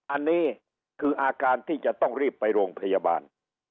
อันนี้คืออาการที่จะต้องรีบไปโรงพยาบาล